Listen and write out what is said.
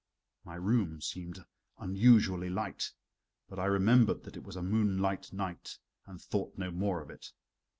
My room seemed unusually light; but I remembered that it was a moonlight night and thought no more of it.